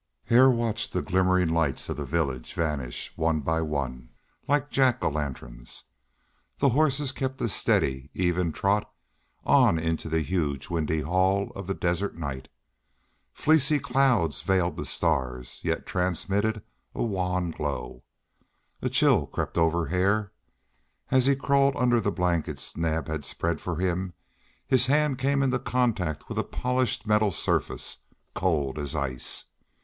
Hare watched the glimmering lights of the village vanish one by one, like Jack o' lanterns. The horses kept a steady, even trot on into the huge windy hall of the desert night. Fleecy clouds veiled the stars, yet transmitted a wan glow. A chill crept over Hare. As he crawled under the blankets Naab had spread for him his hand came into contact with a polished metal surface cold as ice.